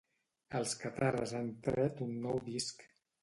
Els Catarres han tret un nou disc.